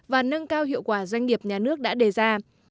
và nâng cao hiệu quả doanh nghiệp nhà nước đã đề ra